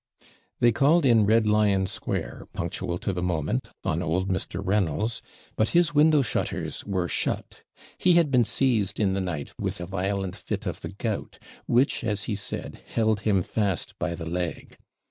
They called in Red Lion Square, punctual to the moment, on old Mr. Reynolds, but his window shutters were shut; he had been seized in the night with a violent fit of the gout, which, as he said, held him fast by the leg.